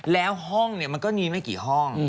แล้วห้องเนี่ยมันก็มีไม่กี่ห้อง